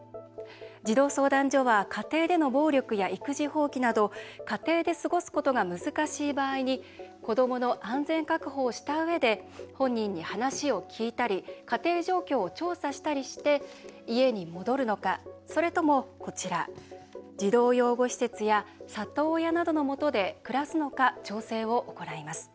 児童相談所は家庭での暴力や育児放棄など家庭で過ごすことが難しい場合に子どもの安全確保をしたうえで本人に話を聞いたり家庭状況を調査したりして家に戻るのかそれともこちら、児童養護施設や里親などのもとで暮らすのか調整を行います。